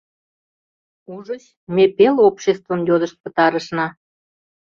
Ужыч, ме пел обществым йодышт пытарышна.